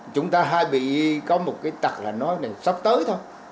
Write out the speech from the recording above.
chúng ta hay bị có một cái tật là nói là sắp tới thôi